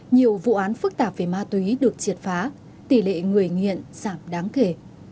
nhiều vụ án phức tạp về ma túy được triệt phá tỷ lệ người nghiện giảm đáng kể